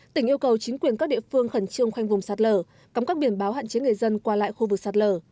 tỉnh yêu cầu chính quyền các địa phương khẩn trương khoanh vùng sạt lở cấm các biển báo hạn chế người dân qua lại khu vực sạt lở